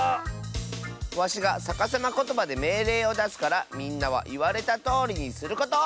わしがさかさまことばでめいれいをだすからみんなはいわれたとおりにすること！